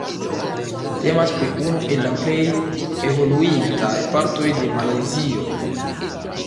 Temas pri unu el la plej evoluintaj partoj de Malajzio.